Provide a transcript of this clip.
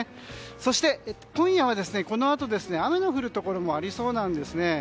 そして、今夜はこのあと雨の降るところもありそうなんですね。